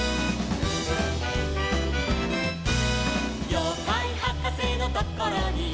「ようかいはかせのところに」